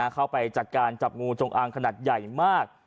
เข้าไปจัดการจับงูจงอางขนาดใหญ่มาก